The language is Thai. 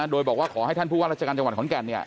โดยบอกว่าขอให้ท่านผู้ว่าราชการจังหวัดขอนแก่น